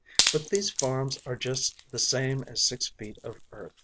But these farms are just the same as six feet of earth.